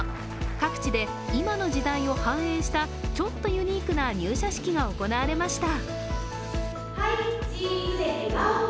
各地で今の時代を反映したちょっとユニークな入社式が行われました。